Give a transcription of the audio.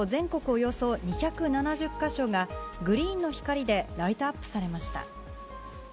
およそ２７０か所が、グリーンの光でライトアップされました。